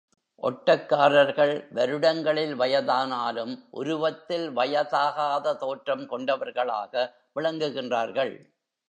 ஒட்டக்காரர்கள் வருடங்களில் வயதானாலும், உருவத்தில் வயதாகாத தோற்றம் கொண்டவர்களாக விளங்குகின்றார்கள்.